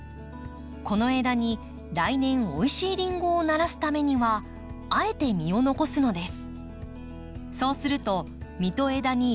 この枝に来年おいしいリンゴをならすためにはあえて実を残すのです。